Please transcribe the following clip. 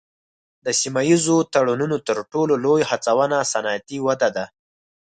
د سیمه ایزو تړونونو تر ټولو لوی هڅونه صنعتي وده ده